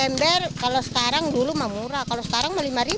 per ember kalau sekarang dulu mah murah kalau sekarang mah rp lima sih